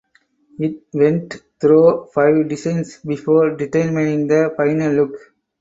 It went through five designs before determining the final look.